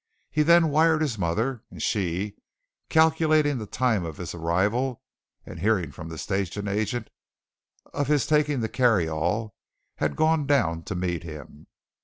He then wired his mother and she, calculating the time of his arrival, and hearing from the station agent of his taking the carryall, had gone down to meet him.